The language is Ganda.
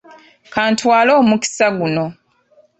Ka ntwale omukisa guno